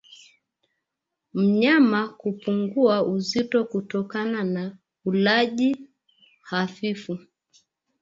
Mnyama kupungua uzito kutokana na ulaji hafifu